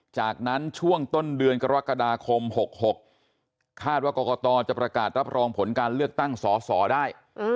จากนั้นช่วงต้นเดือนกรกฎาคม๖๖คาดว่ากรกตจะประกาศรับรองผลการเลือกตั้งสอสอได้